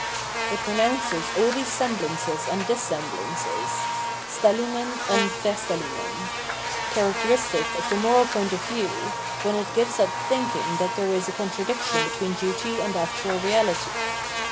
It renounces all these semblances and dissem Oonscimce 647 blances {Stellungen uni Verstellungen) characteristic of the moral point of view, when it gives up think ing that there is a contradiction between duty and actual reality.